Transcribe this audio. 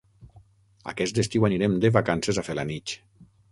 Aquest estiu anirem de vacances a Felanitx.